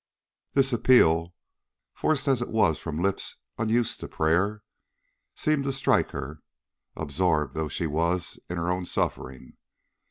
This appeal, forced as it was from lips unused to prayer, seemed to strike her, absorbed though she was in her own suffering.